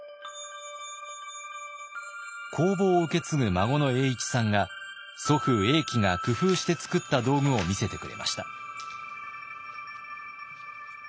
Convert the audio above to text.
工房を受け継ぐ孫の栄市さんが祖父栄喜が工夫して作った道具を見せてくれました。